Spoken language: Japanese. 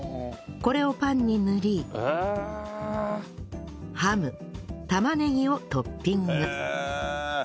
これをパンに塗りハム玉ねぎをトッピング